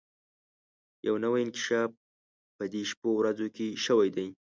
يو نوی انکشاف په دې شپو ورځو کې شوی دی.